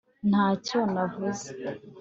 ntacyo navuze